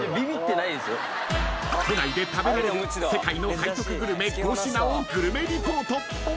［都内で食べられる世界の背徳グルメ５品をグルメリポート］